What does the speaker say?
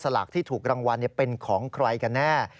ลากที่ถูกรางวัลเป็นของใครกันแน่